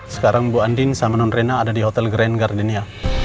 sekarang bu andin sama nonrena ada di hotel grand gardenia